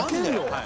はい。